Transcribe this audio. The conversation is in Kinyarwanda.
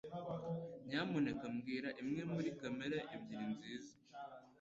Nyamuneka mbwira imwe muri kamera ebyiri nziza.